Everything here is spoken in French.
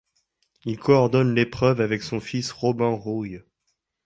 Il coordonne l'épreuve avec son fils Robin Rouil.